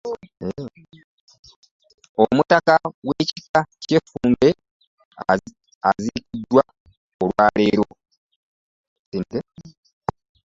Omutaka w'ekika ky'e Ffumbe aziikiddwa olwa leero